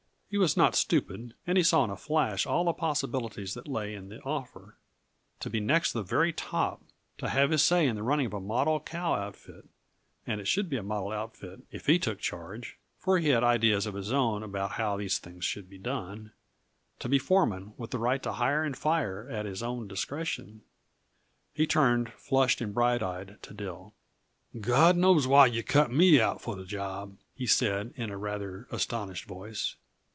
He was not stupid and he saw in a flash all the possibilities that lay in the offer. To be next the very top to have his say in the running of a model cow outfit and it should be a model outfit if he took charge, for he had ideas of his own about how these things should be done to be foreman, with the right to "hire and fire" at his own discretion He turned, flushed and bright eyed, to Dill. "God knows why yuh cut me out for the job," he said in a rather astonished voice.